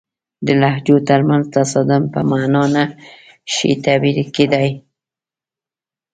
د لهجو ترمنځ تصادم په معنا نه شي تعبیر کېدای.